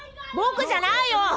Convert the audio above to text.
僕じゃないよ！